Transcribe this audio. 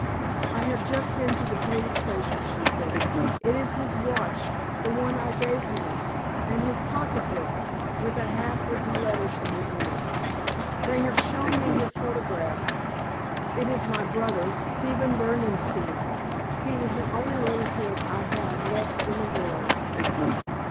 "I have just been to the police station," she said. "It is his watch the one I gave him and his pocket book, with a half written letter to me in it. They have shown me his photograph. It is my brother, Stephen Berdenstein. He was the only relative I had left in the world."